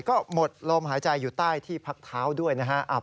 ก็หมดลมหายใจอยู่ใต้ที่พักเท้าด้วยนะครับ